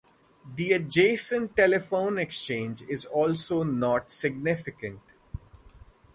The adjacent telephone exchange is also not significant.